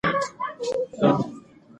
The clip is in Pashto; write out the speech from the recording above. هغې ویډیو کې وویل تجربه یې په زړه پورې وه.